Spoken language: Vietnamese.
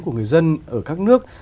của người dân ở các nước